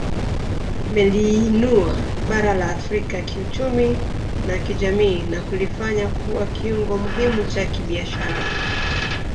Imeliinua bara la Afrika kiuchumi na kijamii na kulifanya kuwa kiungo muhimu cha kibiashara